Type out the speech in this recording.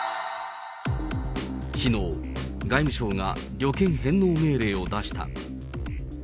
きのう、外務省が旅券返納命令を出した。